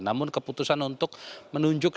namun keputusan untuk menunjukkan